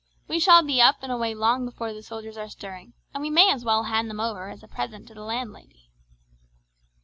We shall be up and away long before the soldiers are stirring, and we may as well hand them over as a present to the landlady."